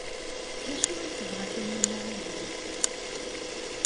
D acu ay tebɣa Taninna ihi?